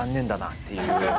っていう